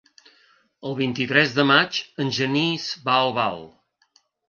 El vint-i-tres de maig en Genís va a Albal.